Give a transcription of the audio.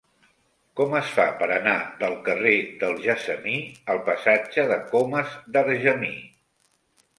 Com es fa per anar del carrer del Gessamí al passatge de Comas d'Argemí?